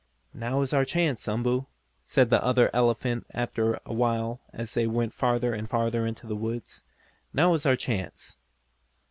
"Now is our chance, Umboo," said the other elephant after a while as they went farther and farther into the woods. "Now is our chance!"